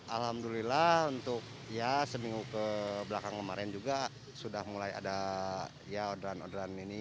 alhamdulillah untuk ya seminggu kebelakang kemarin juga sudah mulai ada ya orderan orderan ini